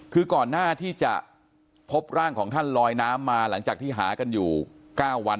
คือก่อนหน้าที่จะพบร่างของท่านลอยน้ำมาหลังจากที่หากันอยู่๙วัน